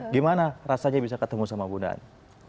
gimana rasanya bisa ketemu sama bunda anne